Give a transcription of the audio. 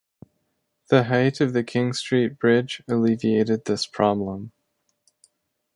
The height of the Knight Street bridge alleviated this problem.